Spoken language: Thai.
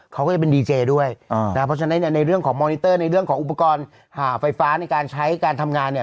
เขาก็จะเป็นดีเจด้วยนะเพราะฉะนั้นเนี่ยในเรื่องของมอนิเตอร์ในเรื่องของอุปกรณ์ไฟฟ้าในการใช้การทำงานเนี่ย